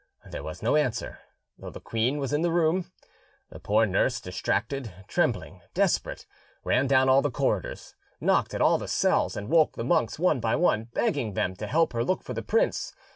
There was no answer, though the queen was in the room. The poor nurse, distracted, trembling, desperate, ran down all the corridors, knocked at all the cells and woke the monks one by one, begging them to help her look for the prince.